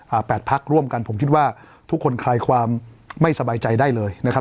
แปดพักร่วมกันผมคิดว่าทุกคนคลายความไม่สบายใจได้เลยนะครับ